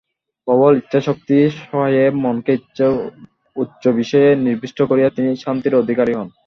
প্রবল ইচ্ছাশক্তি-সহায়ে মনকে উচ্চ বিষয়ে নিবিষ্ট করিয়া তিনি শান্তির অধিকারী হন।